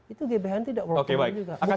itu gbhn tidak workable juga